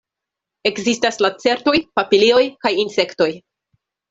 Ekzistas lacertoj, papilioj kaj insektoj.